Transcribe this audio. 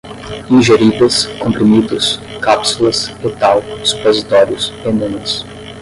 ingeridas, comprimidos, cápsulas, retal, supositórios, enemas